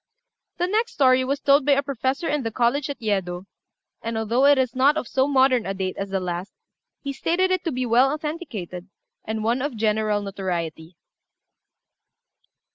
The next story was told by a professor in the college at Yedo, and, although it is not of so modern a date as the last, he stated it to be well authenticated, and one of general notoriety.